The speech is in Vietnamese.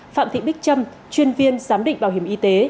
phạm thị bích trâm chuyên viên giám định bảo hiểm y tế